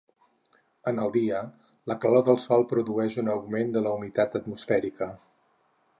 En el dia, la calor del sol produeix un augment de la humitat atmosfèrica.